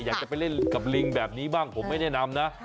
อยากจะไปเล่นกับลิงแบบนี้บ้างผมไม่แนะนำนะ